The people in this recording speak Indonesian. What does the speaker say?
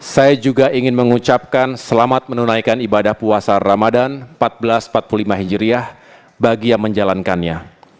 saya juga ingin mengucapkan selamat menunaikan ibadah puasa ramadan seribu empat ratus empat puluh lima hijriah bagi yang menjalankannya